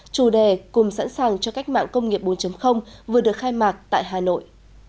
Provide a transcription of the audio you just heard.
chủ đề cùng sẵn sàng cho cách mạng công nghiệp bốn vừa được khai mạc tại hà nội